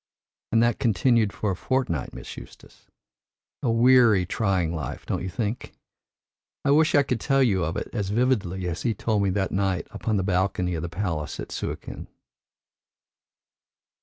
And that continued for a fortnight, Miss Eustace! A weary, trying life, don't you think? I wish I could tell you of it as vividly as he told me that night upon the balcony of the palace at Suakin."